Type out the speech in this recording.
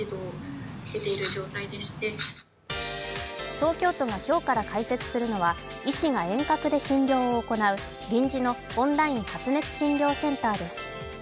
東京都が今日から開設するのは医師が遠隔で診療を行う臨時のオンライン発熱診療センターです。